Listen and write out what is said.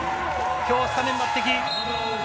今日、スタメン抜擢。